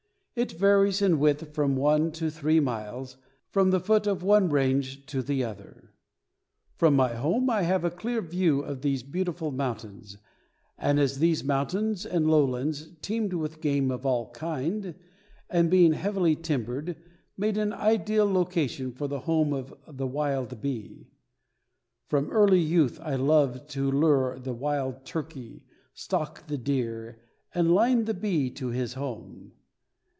It varies in width from one to three miles from the foot of one range to the other. From my home I have a clear view of these beautiful Mountains and, as these mountains and lowlands teemed with game of all kind, and being heavily timbered, made an ideal location for the home of the wild bee. From early youth I loved to lure the wild turkey, stalk the deer and line the bee to his home.